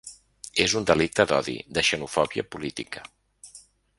És un delicte d’odi, de xenofòbia política.